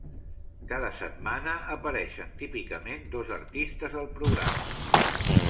Cada setmana apareixen típicament dos artistes al programa.